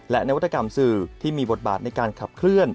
และนวัตกรรมสื่อที่มีบทบาทในการขับเคลื่อน